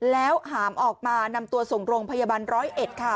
แล้วหามออกมานำตัวส่งโรงพยาบาลร้อยเอ็ดค่ะ